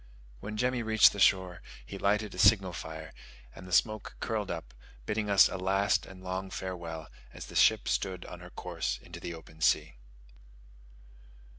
When Jemmy reached the shore, he lighted a signal fire, and the smoke curled up, bidding us a last and long farewell, as the ship stood on her course into the open sea.